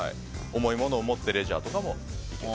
重いものを持ってレジャーとかも行ける。